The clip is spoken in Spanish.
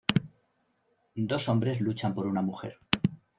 Dos hombres luchan por una mujer.